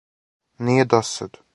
Није до сад.